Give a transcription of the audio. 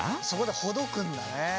そこでほどくんだね。